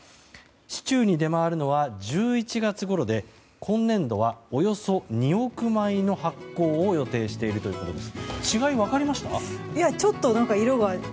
市中に出回るのは１１月ごろで今年度は、およそ２億枚の発行を予定しているということです。